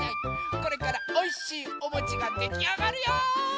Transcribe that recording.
これからおいしいおもちができあがるよ！